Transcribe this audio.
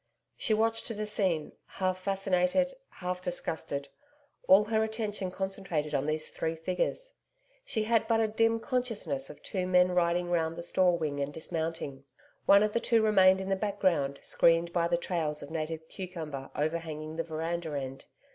She watched the scene, half fascinated, half disgusted, all her attention concentrated on these three figures. She had but a dim consciousness of two men riding round the store wing and dismounting. One of the two remained in the background screened by the trails of native cucumber overhanging the veranda end.